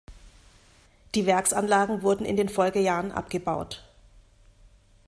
Die Werksanlagen wurden in den Folgejahren abgebaut.